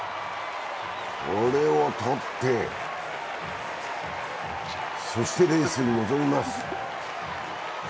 これをとって、そしてレースに臨みます。